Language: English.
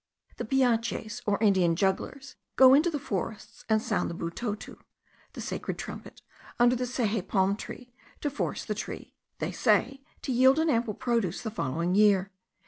The piaches, or Indian jugglers, go into the forests, and sound the botuto (the sacred trumpet) under the seje palm trees, to force the tree, they say, to yield an ample produce the following year.